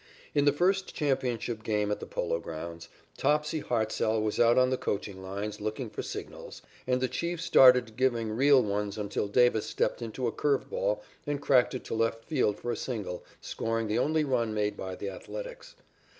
In the first championship game at the Polo Grounds, Topsy Hartsell was out on the coaching lines looking for signals, and the Chief started giving the real ones until Davis stepped into a curve ball and cracked it to left field for a single, scoring the only run made by the Athletics.